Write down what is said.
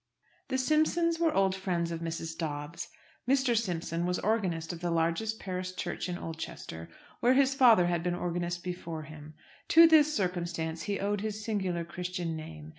The Simpsons were old friends of Mrs. Dobbs. Mr. Simpson was organist of the largest parish church in Oldchester, where his father had been organist before him. To this circumstance he owed his singular Christian name.